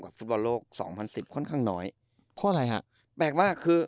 ฟุตบอลโลกสองพันสิบค่อนข้างน้อยเพราะอะไรฮะแปลกมากคือ